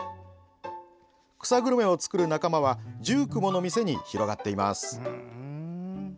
草グルメを作る仲間は１９もの店に広がっています。